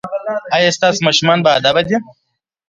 ایا ستاسو ماشومان باادبه دي؟